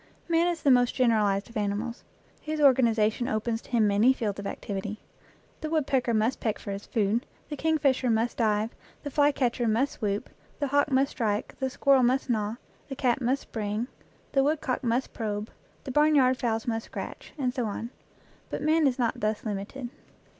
Man is the most generalized of animals; his organization opens to him many fields of activity. The wood pecker must peck for his food, the kingfisher must dive, the flycatcher must swoop, the hawk must strike, the squirrel must gnaw, the cat must spring, the woodcock must probe, the barnyard fowls must scratch, and so on, but man is not thus limited.